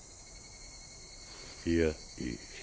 いやいい。